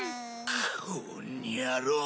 こんにゃろ！